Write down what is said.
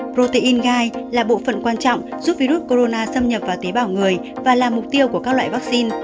protein gai là bộ phận quan trọng giúp virus corona xâm nhập vào tế bào người và là mục tiêu của các loại vaccine